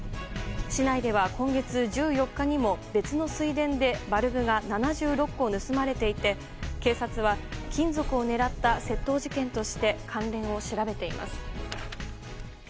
市内では今月１４日にも別の水田でバルブが７６個盗まれていて警察は金属を狙った窃盗事件として関連を調べています。